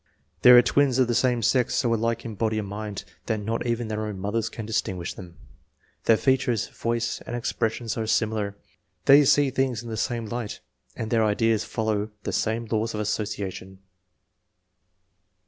There are twins of the same sex so alike in body and mind that not even their own mothers can distinguish them. Their features, voice, and expressions are similar ; they see things in the same light, and their ideas follow the same laws of association.